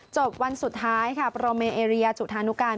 วันสุดท้ายค่ะโปรเมเอเรียจุธานุการ